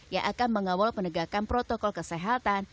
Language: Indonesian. yang akan mengawal penegakan protokol kesehatan